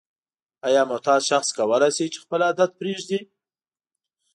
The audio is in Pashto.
آیا معتاد شخص کولای شي چې خپل عادت پریږدي؟